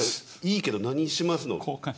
いいけど何しますの。